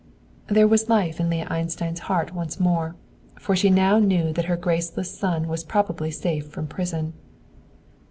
There was life in Leah Einstein's heart once more, for she now knew that her graceless son was probably safe from prison.